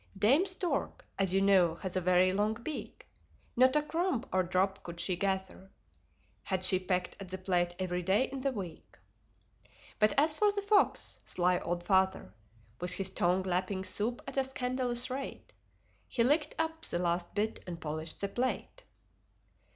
Dame Stork, as you know, has a very long beak: Not a crumb or drop could she gather Had she pecked at the plate every day in the week. But as for the Fox sly old Father: With his tongue lapping soup at a scandalous rate, He licked up the last bit and polished the plate.